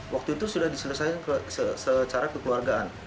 waktu itu sudah diselesaikan secara kekeluargaan